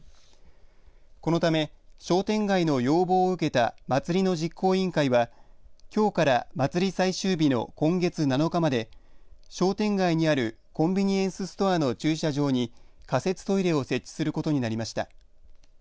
このため商店街の要望を受けた祭りの実行委員会はきょうから祭り最終日の今月７日まで商店街にあるコンビニエンスストアの駐車場に仮設トイレを設置することになりました。